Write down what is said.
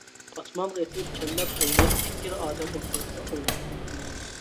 ئاسمانغا ئېتىپ چەنلەپ ئويناش ئىككىلا ئادەم ئوتتۇرىسىدا ئوينىلىدۇ.